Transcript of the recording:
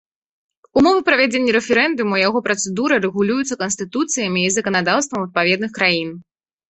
Умовы правядзення рэферэндуму і яго працэдура рэгулююцца канстытуцыямі і заканадаўствам адпаведных краін.